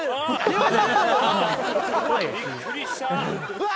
うわ！